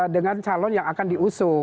dengan calon yang akan diusung